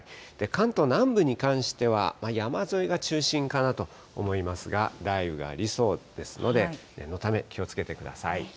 関東南部に関しては、山沿いが中心かなと思いますが、雷雨がありそうですので、念のため、気をつけてください。